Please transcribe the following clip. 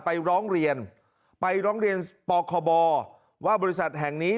ไปร้องเรียนไปร้องเรียนปคบว่าบริษัทแห่งนี้